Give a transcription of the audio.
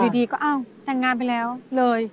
ดีก็อ้าวแต่งงานไปแล้วเลย